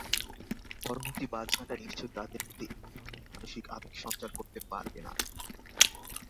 পরবর্তী বাজনাটা নিশ্চয়ই তাদের মধ্যে এই ধরনের মানসিক আবেগ সঞ্চার করতে পারবে না।